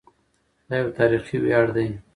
دا یو تاریخي ویاړ دی.